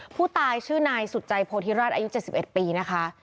ผู้ตายชื่อนายสุดใจโพธิราชอายุ๗๑ปีนะคะ